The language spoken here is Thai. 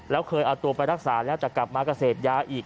แล้วเคยเอาตัวไปรักษาแล้วแต่กลับมาก็เสพยาอีก